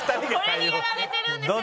これにやられてるんですよ